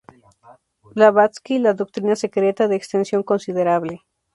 Blavatsky "La Doctrina Secreta", de extensión considerable.